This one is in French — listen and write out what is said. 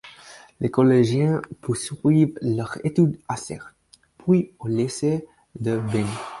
Les collégiens poursuivent leurs études à Serres, puis au lycée de Veynes.